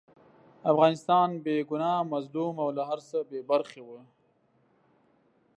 افغانستان بې ګناه، مظلوم او له هرڅه بې خبره وو.